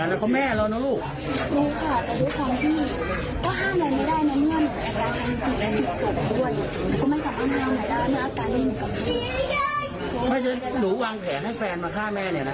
โอเคงั้นให้ผมเอา